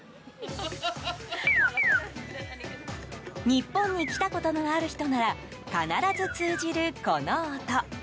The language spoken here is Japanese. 日本に来たことのある人なら必ず通じる、この音。